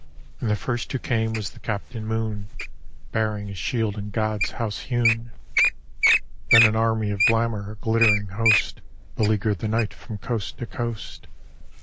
And the first who came was the Captain Moon Bearing a shield in God's House hewn. Then an Army of Glamour, a glittering host, Beleaguered the night from coast to coast.